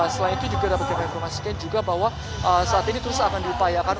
selain itu juga dapat kita informasikan juga bahwa saat ini terus akan diupayakan